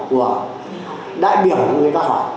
của đại biểu người ta hỏi